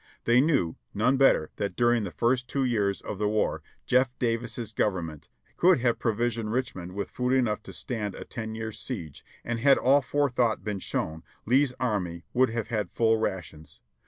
They knew, none better, that during the first two years of the war Jeff Davis's Government could have provisioned Richmond with food enough to stand a ten years' siege; and had any fore thought been shown, Lee's army would have had full rations.